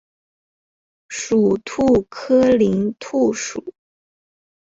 属兔科林兔属。